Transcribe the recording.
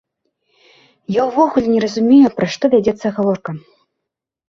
Я ўвогуле не разумею, пра што вядзецца гаворка!